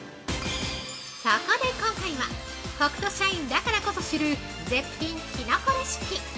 そこで今回は、ホクト社員だからこそ知る絶品きのこレシピ！